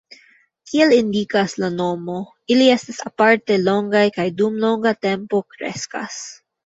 Kiel indikas la nomo, ili estas aparte longaj kaj dum longa tempo kreskas.